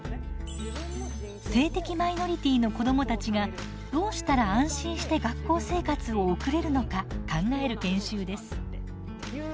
性的マイノリティーの子どもたちがどうしたら安心して学校生活を送れるのか考える研修です。